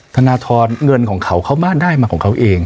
ธนทรเงินของเขาเขามาได้มาของเขาเอง